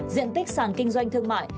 diện tích sàn kinh doanh thương mại